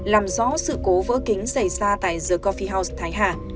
làm rõ sự cố vỡ kính xảy ra tại the cophi house thái hà